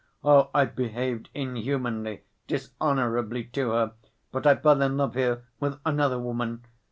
Oh, I've behaved inhumanly, dishonorably to her, but I fell in love here with another woman